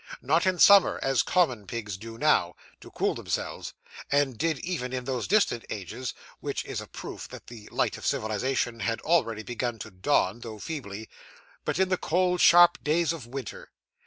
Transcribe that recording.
Not in summer, as common pigs do now, to cool themselves, and did even in those distant ages (which is a proof that the light of civilisation had already begun to dawn, though feebly), but in the cold, sharp days of winter.